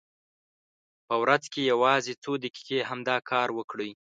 په ورځ کې یوازې څو دقیقې همدا کار وکړئ.